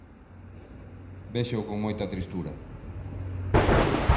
Véxoo con moita tristura.